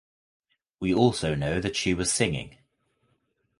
We also know that she was singing.